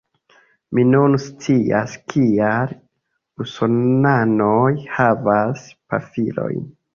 Mi nun scias kial usonanoj havas pafilojn